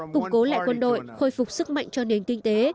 củng cố lại quân đội khôi phục sức mạnh cho nền kinh tế